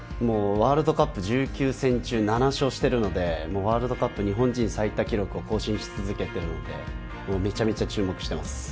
ワールドカップ１９戦中７勝しているので、ワールドカップ日本人最多記録を更新し続けているので、めちゃめちゃ注目しています。